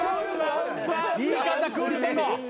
言い方クールポコ。。